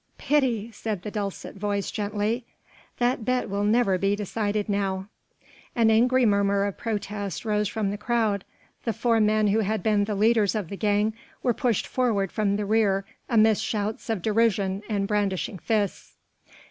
"Pity!" said the dulcet voice gently, "that bet will never be decided now." An angry murmur of protest rose from the crowd. The four men who had been the leaders of the gang were pushed forward from the rear amidst shouts of derision and brandishing fists.